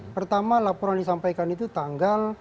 pertama laporan yang disampaikan itu tanggal sembilan november